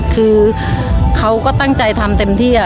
คือเขาก็ตั้งใจทำเต็มที่